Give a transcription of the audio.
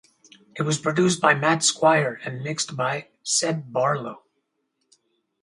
It was produced by Matt Squire and mixed by Seb Barlow.